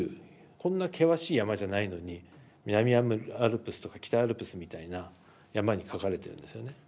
こんな険しい山じゃないのに南アルプスとか北アルプスみたいな山にかかれてるんですよね。